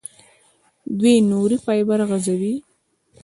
دوی نوري فایبر غځوي.